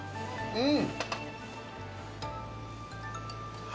うん。